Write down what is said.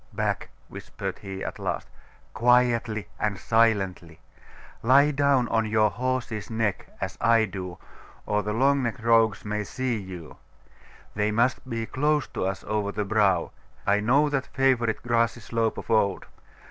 'Back!' whispered he, at last. 'Quietly and silently. Lie down on your horse's neck, as I do, or the long necked rogues may see you. They must be close to us over the brow. I know that favourite grassy slope of old.